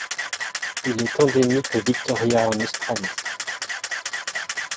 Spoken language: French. Il est endémique au Victoria en Australie.